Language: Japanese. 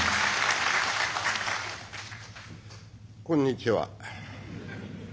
こんにちは。